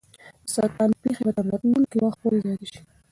د سرطان پېښې به تر راتلونکي وخت پورې زیاتې شي.